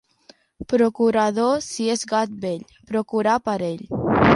Procurador, si és gat vell, procura per ell.